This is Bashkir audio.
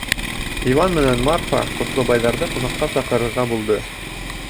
Иван менән Марфа Ҡотлобайҙарҙы ҡунаҡҡа саҡырырға булды.